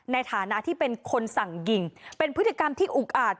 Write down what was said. ในฐานะที่เป็นคนสั่งยิงเป็นพฤติกรรมที่อุกอาจ